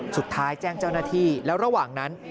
แจ้งเจ้าหน้าที่แล้วระหว่างนั้น